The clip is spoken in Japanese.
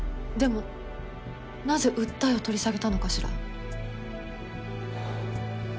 でもなぜ訴えを取り下げたのかしら？